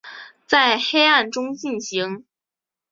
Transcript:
在黑暗中进行